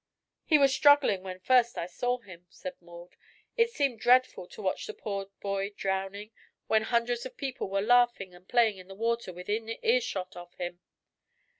"He was struggling when first I saw him," said Maud. "It seemed dreadful to watch the poor boy drowning when hundreds of people were laughing and playing in the water within earshot of him."